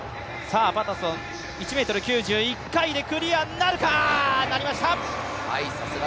パタソン、１ｍ９０、１回目でクリアなるか、なりました。